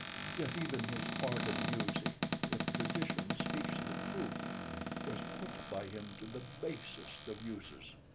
Yet even his art of music, if tradition speaks the truth, was put by him to the basest of uses."